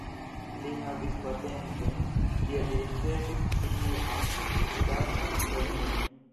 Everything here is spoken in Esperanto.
Li havis patentojn, tial li ricevis signifan ŝtatan premion.